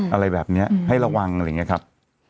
อะไรแบบนี้ให้ระวังอะไรอย่างนี้ครับ